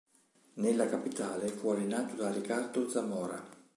Nella capitale fu allenato da Ricardo Zamora.